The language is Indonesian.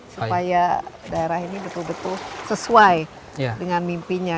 supaya daerah ini betul betul sesuai dengan mimpinya